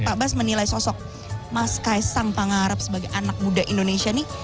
pak bas menilai sosok mas kaisang pangarep sebagai anak muda indonesia nih